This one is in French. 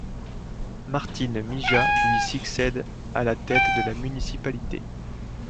Martine Mijat lui succède à la tête de la municipalité.